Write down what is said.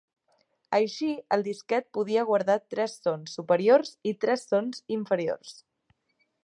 Així el disquet podia guardar tres sons "superiors" i tres sons "inferiors".